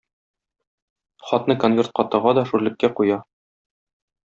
Хатны конвертка тыга да шүрлеккә куя.